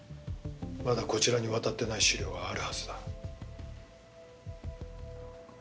まだこちらに渡ってない資料があるはずだ。